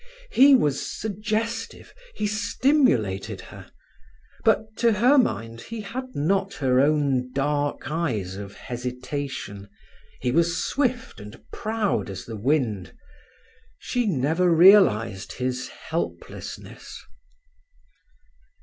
He was suggestive; he stimulated her. But to her mind he had not her own dark eyes of hesitation; he was swift and proud as the wind. She never realized his helplessness.